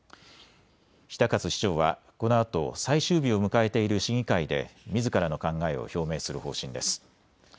比田勝市長はこのあと最終日を迎えている市議会で、みずからの考えを表明する方針です。